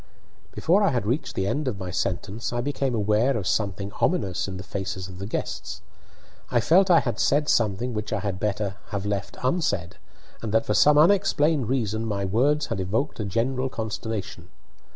Before I had reached the end of my sentence I became aware of something ominous in the faces of the guests. I felt I had said something which I had better have left unsaid, and that for some unexplained reason my words had evoked a general consternation.